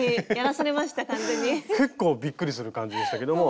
結構びっくりする感じでしたけども。